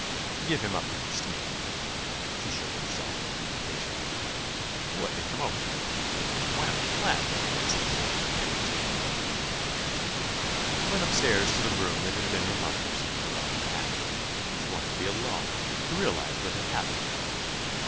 To give him up to Christine she shook herself impatiently. What had come over her? Why not be glad that he had some sort of companionship? She went upstairs to the room that had been her mother's, and took off her hat. She wanted to be alone, to realize what had happened to her.